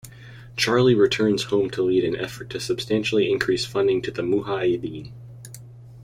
Charlie returns home to lead an effort to substantially increase funding to the mujahideen.